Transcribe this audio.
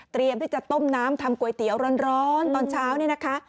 ที่จะต้มน้ำทำก๋วยเตี๋ยวร้อนตอนเช้าเนี่ยนะคะ